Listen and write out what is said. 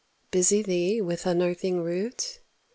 Busy thee with unearthing root?